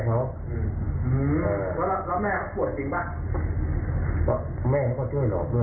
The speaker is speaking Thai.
ของแม่เขาช่วยหลอกด้วย